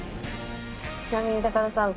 ちなみに高田さん